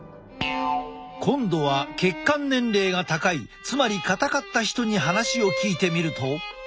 今度は血管年齢が高いつまり硬かった人に話を聞いてみると。